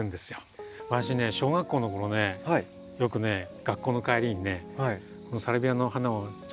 私ね小学校の頃ねよくね学校の帰りにねこのサルビアの花をちょっと取ってね。